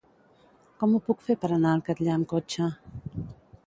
Com ho puc fer per anar al Catllar amb cotxe?